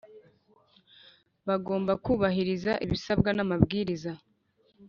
bagomba kubahiriza ibisabwa n amabwiriza